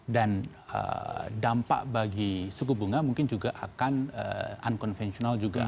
dan dampak bagi suku bunga mungkin juga akan unconventional juga